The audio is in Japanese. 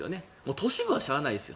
都市部はしょうがないですよ。